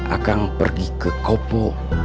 akang pergi ke kopo